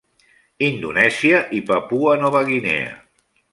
Indonèsia i Papua Nova Guinea.